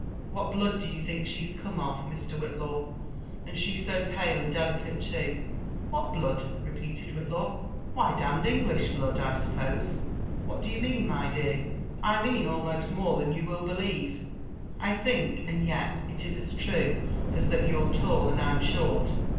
What blood do you think she^s come of, Mr. Whitlaw?— and she so pale and delicate too !"*' What blood?" repeated Whitlaw. Why, d— d English blood, I suppose. What d'ye mean, my dear?" I mean almost more than you will believe, I think ; and yet, it is as true as that you're (all and I'm short.